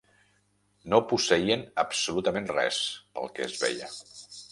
No posseïen absolutament res, pel que es veia